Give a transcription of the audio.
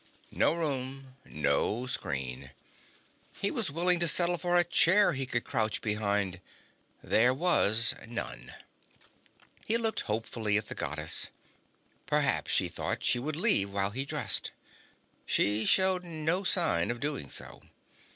No room, no screen. He was willing to settle for a chair he could crouch behind. There was none. He looked hopefully at the Goddess. Perhaps, he thought, she would leave while he dressed. She showed no sign of doing so.